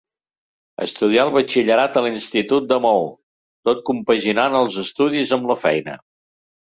Estudià el batxillerat a l'institut de Maó, tot compaginant els estudis amb la feina.